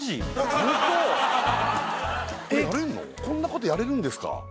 こんなことやれるんですか？